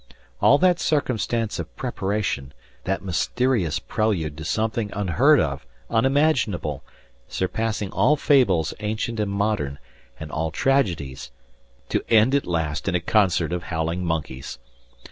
All that circumstance of preparation, that mysterious prelude to something unheard of, unimaginable, surpassing all fables ancient and modern, and all tragedies to end at last in a concert of howling monkeys!